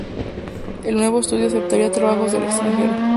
El nuevo estudio aceptaría trabajos del extranjero.